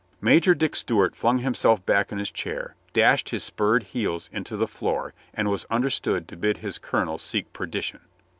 Major Dick Stewart flung himself back in his chair, dashed his spurred heels into the floor and was understood to bid his colonel seek perdition.